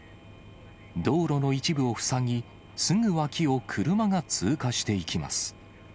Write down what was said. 道路の一部を塞ぎ、すぐ脇を車が通過していきます。